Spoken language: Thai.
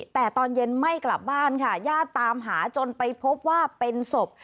แต่ตอนเย็นไม่กลับบ้านค่ะญาติตามหาจนไปพบว่าเป็นศพ